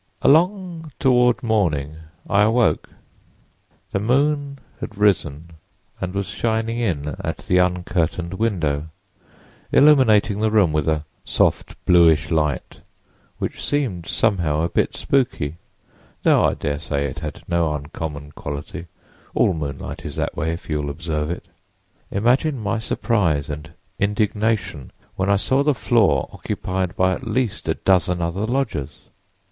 "Along toward morning I awoke. The moon had risen and was shining in at the uncurtained window, illuminating the room with a soft, bluish light which seemed, somehow, a bit spooky, though I dare say it had no uncommon quality; all moonlight is that way if you will observe it. Imagine my surprise and indignation when I saw the floor occupied by at least a dozen other lodgers!